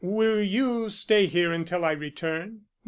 Will you stay here until I return?"